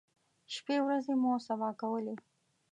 شپی ورځې مو سبا کولې.